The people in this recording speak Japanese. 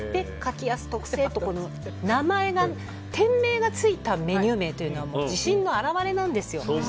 柿安特製という店名がついたメニュー名というのは自信の表れなんですよ。